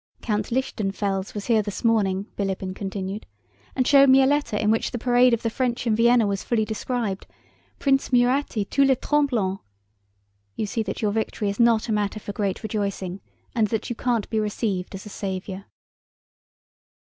"Count Lichtenfels was here this morning," Bilíbin continued, "and showed me a letter in which the parade of the French in Vienna was fully described: Prince Murat et tout le tremblement... You see that your victory is not a matter for great rejoicing and that you can't be received as a savior."